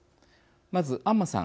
まず安間さん